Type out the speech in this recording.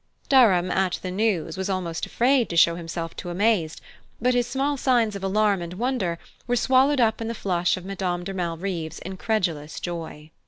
Durham, at the news, was almost afraid to show himself too amazed; but his small signs of alarm and wonder were swallowed up in the flush of Madame de Malrive's incredulous joy.